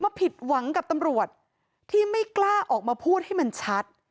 ผิดหวังกับตำรวจที่ไม่กล้าออกมาพูดให้มันชัด